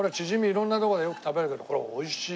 色んなとこでよく食べるけどこれおいしい。